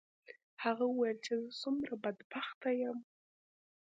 هغه وویل چې زه څومره بدبخته یم.